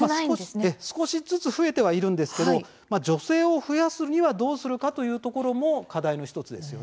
少しずつ増えてはいるんですが女性を増やすには、どうするかというところも課題の１つです。